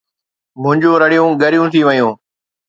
منهنجون رڙيون ڳريون ٿي ويون